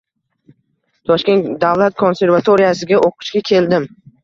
Toshkent Davlat konservatoriyasiga o’qishga keldim.